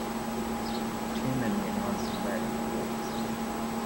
Two men leaning on some railing at water side.